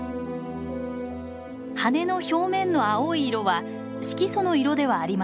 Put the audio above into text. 羽の表面の青い色は色素の色ではありません。